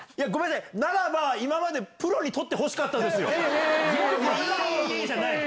ならば今までプロに撮ってほしかったですよ。